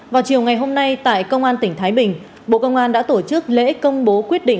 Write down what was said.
vào chiều ngày hôm nay tại công an tỉnh thái bình bộ công an đã tổ chức lễ công bố quyết định